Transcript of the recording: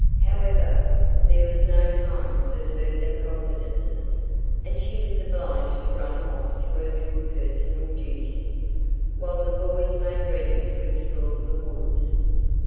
However, there was no time for further confidences, and she was obliged to run off to her little personal duties, while the boys made ready to explore the woods.